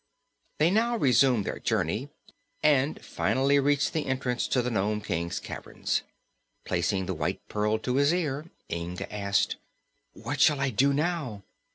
They now resumed their journey and finally reached the entrance to the Nome King's caverns. Placing the White Pearl to his ear, Inga asked: "What shall I do now?"